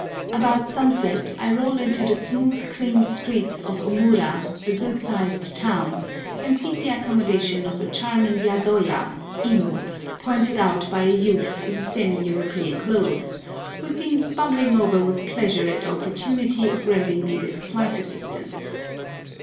About sunset I roll into the smooth, clean streets of Omura, a good sized town, and seek the accommodation of a charming yadoya (inn) pointed out by a youth in semi European clothes, who seems bubbling over with pleasure at the opportunity of rendering me this slight assistance.